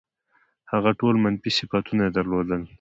هغه ټول منفي صفتونه یې درلودل.